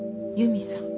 佑美さん。